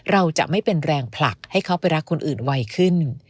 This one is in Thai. เราจะไม่เป็นแรงผลักให้เขาไปรักคนอื่นไวขึ้น